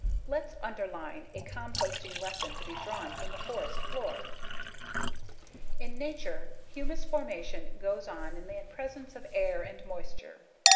Let's underline a composting lesson to be drawn from the forest floor. In nature, humus formation goes on in the presence of air and moisture.